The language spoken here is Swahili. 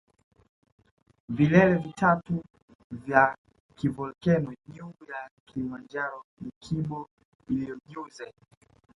Vilele vitatu vya kivolkeno juu ya Kilimanjaro ni Kibo iliyo juu zaidi